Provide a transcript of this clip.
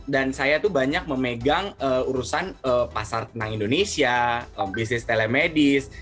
dan saya tuh banyak memegang urusan pasar tenang indonesia bisnis telemedis